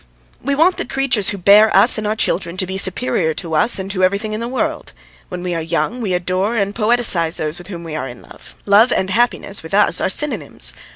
We want the creatures who bear us and our children to be superior to us and to everything in the world. When we are young we adore and poeticize those with whom we are in love: love and happiness with us are synonyms.